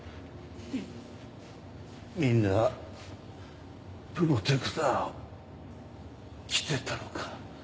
みんなプロテクターを着てたのか。